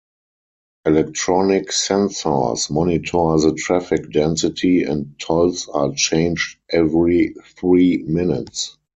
Electronic sensors monitor the traffic density and tolls are changed every three minutes.